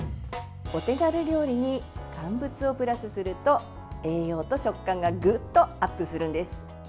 お手軽料理に乾物をプラスすると栄養と食感がぐっとアップするんです。